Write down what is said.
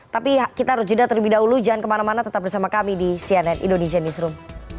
tapi kita harus jeda terlebih dahulu jangan kemana mana tetap bersama kami di cnn indonesia newsroom